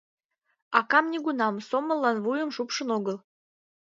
Акам нигунам сомыллан вуйым шупшын огыл.